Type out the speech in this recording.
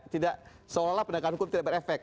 tidak seolah olah penegakan hukum tidak berefek